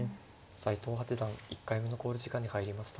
斎藤八段１回目の考慮時間に入りました。